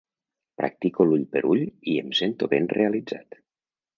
Practico l'ull per ull i em sento ben realitzat.